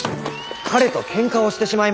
「彼とケンカをしてしまいました」。